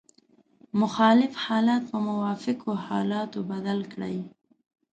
مخالف حالات په موافقو حالاتو بدل کړئ.